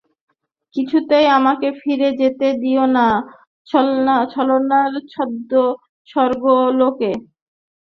– কিছুতেই আমাকে ফিরে যেতে দিয়ো না ছলনার ছদ্মস্বর্গলোকে।